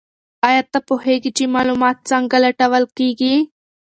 ایا ته پوهېږې چې معلومات څنګه لټول کیږي؟